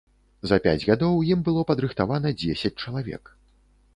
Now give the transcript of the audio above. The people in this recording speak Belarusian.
За пяць гадоў ім было падрыхтавана дзесяць чалавек.